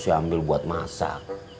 saya ambil buat masak